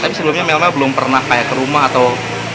tapi sebelumnya melma belum pernah kayak ke rumah atau